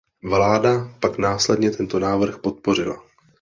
Vláda pak následně tento návrh podpořila.